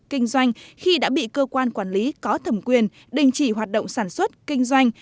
kinh doanh khi đã bị cơ quan quản lý có thẩm quyền đình chỉ hoạt động sản xuất kinh doanh